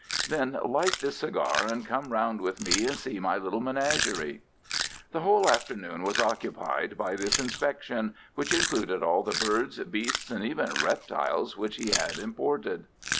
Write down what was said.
"Then light this cigar and come round with me and see my little menagerie." The whole afternoon was occupied by this inspection, which included all the birds, beasts, and even reptiles which he had imported.